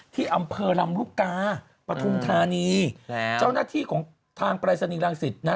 ที่อำเภอลำลูกกาปฐุมธานีเจ้าหน้าที่ของทางปรายศนีย์รังสิตนะ